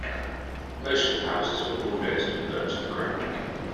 Most of the houses were bull-dozed and burned to the ground.